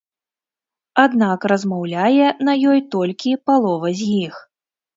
Аднак размаўляе на ёй толькі палова з іх.